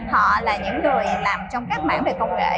họ là những người làm trong các mảng về công nghệ